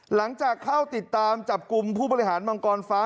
หลังจากเข้าติดตามจับกลุ่มผู้บริหารมังกรฟ้า